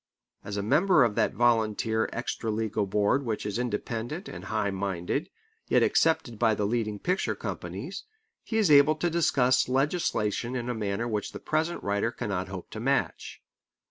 As a member of that volunteer extra legal board which is independent and high minded, yet accepted by the leading picture companies, he is able to discuss legislation in a manner which the present writer cannot hope to match.